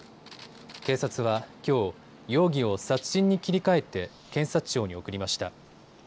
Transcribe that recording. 警察はきょう、容疑を殺人に切り替えて検察庁に送りました。